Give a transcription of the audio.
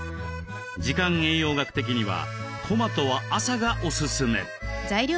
時間栄養学的にはトマトは朝がオススメ。